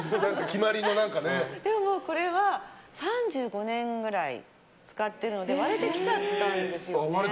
これは３５年ぐらい使っているので割れてきちゃったんですよね。